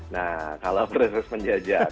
nah kalau proses penjajakan